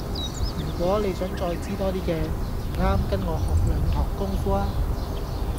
如果你再想知多啲嘅，唔啱跟我學兩堂功夫吖